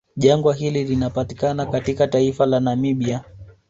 Jangwa hili linapatikana katika taifa la Namibia